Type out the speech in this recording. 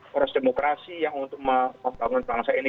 poros demokrasi yang untuk membangun bangsa ini